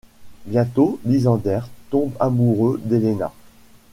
Bientôt, Lysander tombe amoureux d'Helena.